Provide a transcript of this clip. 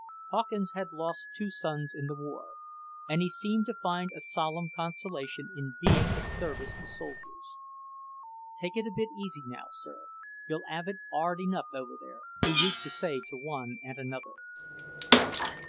Hawkins had lost two sons in the war and he seemed to find a solemn consolation in being of service to soldiers. "Take it a bit easy now, sir. You'll 'ave it 'ard enough over there," he used to say to one and another.